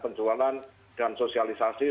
penjualan dan sosialisasi